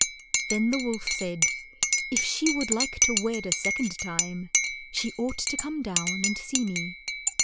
Then the wolf said, "If she would like to wed a sec ond time, she ought to come down and see me.